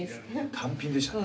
単品でしたね。